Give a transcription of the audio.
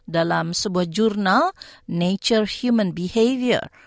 dalam sebuah jurnal nature human behavior